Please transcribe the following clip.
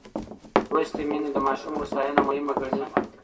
لوستې میندې د ماشوم هوساینه مهمه ګڼي.